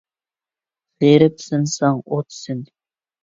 غېرىبسىنساڭ ئوتسىن.